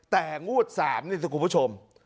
แต่งวด๓รู้สึกก็คุณผู้ชม